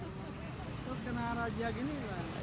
terus kena razia gini pak